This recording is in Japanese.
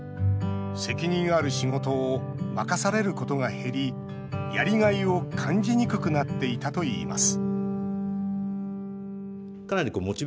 責任ある仕事を任されることが減りやりがいを感じにくくなっていたといいます